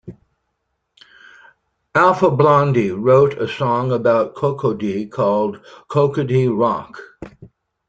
Alpha Blondy wrote a song about Cocody, called Cocody Rock.